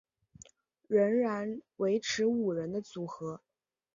仍然维持五人的组合。